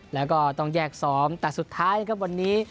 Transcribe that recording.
และต้องแยกซ้อมแต่สุดท้ายวันนี้